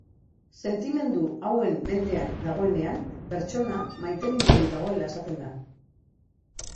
Sentimendu hauen mendean dagoenean, pertsona maitemindurik dagoela esaten da.